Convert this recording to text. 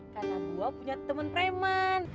karena gue punya temen preman